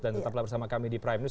dan tetaplah bersama kami di prime news